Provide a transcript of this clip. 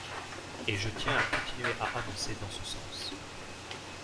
Et je tiens à continuer à avancer dans ce sens.